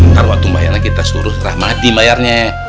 ntar waktu bayarnya kita suruh rahmadi bayarnya